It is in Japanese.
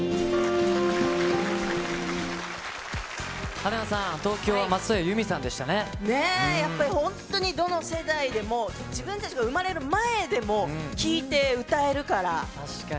春菜さん、東京は松任谷由実ねえ、やっぱり本当にどの世代でも自分たちが生まれる前でも聴いて歌え確かに。